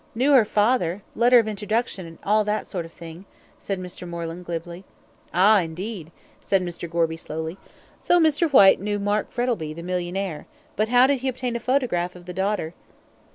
"Knew her father letter of introduction, and all that sort of thing," said Mr. Moreland, glibly. "Ah! indeed," said Mr. Gorby, slowly. "So Mr. Whyte knew Mark Frettlby, the millionaire; but how did he obtain a photograph of the daughter?"